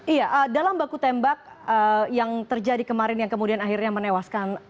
iya dalam baku tembak yang terjadi kemarin yang kemudian akhirnya menewaskan